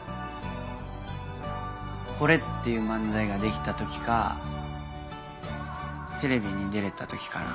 これ！っていう漫才ができた時かテレビに出れた時かな。